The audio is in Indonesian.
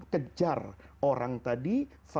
kejar orang tadi